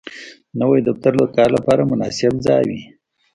نوی دفتر د کار لپاره مناسب ځای وي